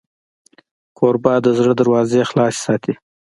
کوربه د زړه دروازې خلاصې ساتي.